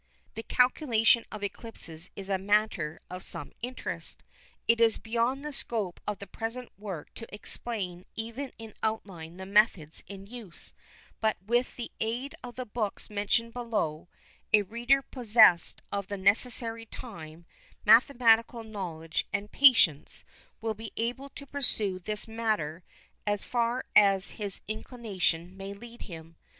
The calculation of eclipses is a matter of some interest. It is beyond the scope of the present work to explain even in outline the methods in use, but with the aid of the books mentioned below a reader possessed of the necessary time, mathematical knowledge, and patience, will be able to pursue this matter as far as his inclination may lead him.